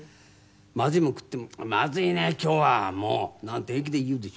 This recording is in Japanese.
まずいもん食っても「まずいね今日はもう」なんて平気で言うでしょ？